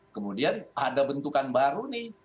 kemudian ada bentukan baru nih